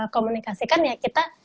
komunikasikan ya kita